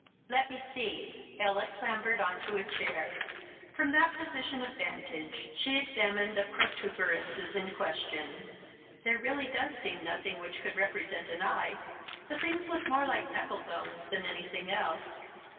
"Let me see." Ella clambered on to a chair. From that position of vantage she examined the protuberances in question. "There really does seem nothing which could represent an eye; the things look more like knuckle bones than anything else."